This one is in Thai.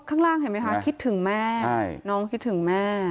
ข้างล่างเห็นไหมคะคิดถึงแม่น้องคิดถึงแม่